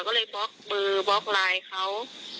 ก็เลยบล็อกเบอร์บล็อกไลน์เขา